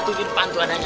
tujuin pantuan aja